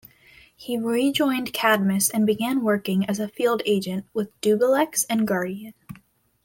He rejoined Cadmus and began working as a field agent with Dubbilex and Guardian.